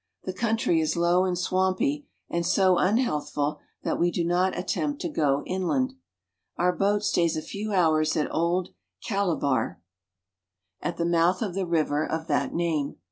The country is low and swampy, and so unhealthful that we do not attempt to go inland. Our boat stays a few hours at Old Calabar {cal a bar'), at the 2 1 8 AFRICA mouth of the river of that name.